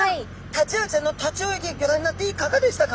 タチウオちゃんの立ち泳ぎギョ覧になっていかがでしたか？